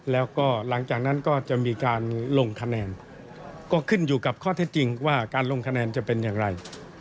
แล้วก็หลังจากนั้นก็จะมีการลงคะแนนก็ขึ้นอยู่กับข้อเท็จจริงว่าการลงคะแนนจะเป็นอย่างไร